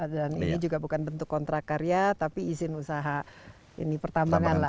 dan ini juga bukan bentuk kontrak karya tapi isin usaha ini pertambangan lah